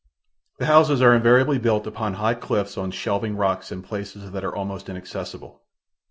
The houses are invariably built upon high cliffs on shelving rocks in places that are almost inaccessible.